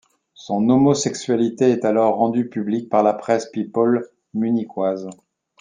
Son homosexualité est alors rendue publique par la presse people munichoise.